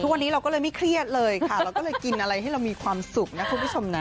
ทุกวันนี้เราก็เลยไม่เครียดเลยค่ะเราก็เลยกินอะไรให้เรามีความสุขนะคุณผู้ชมนะ